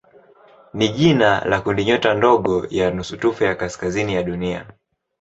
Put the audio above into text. ni jina la kundinyota ndogo ya nusutufe ya kaskazini ya Dunia.